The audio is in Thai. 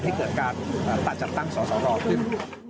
ให้เกิดการจัดตั้งสอสรขึ้น